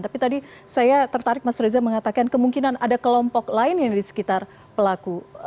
tapi tadi saya tertarik mas reza mengatakan kemungkinan ada kelompok lain yang di sekitar pelaku